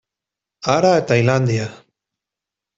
Ara a Tailàndia!